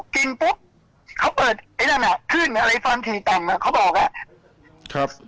กินปุ๊บเขาเปิดไอ้นั่นอ่ะขึ้นอะไรฟังสิ่งต่างอ่ะเขาบอกอ่ะครับ